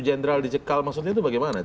jenderal dicekal maksudnya itu bagaimana